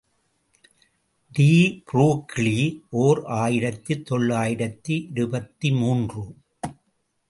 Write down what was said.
D Broglie, ஓர் ஆயிரத்து தொள்ளாயிரத்து இருபத்து மூன்று.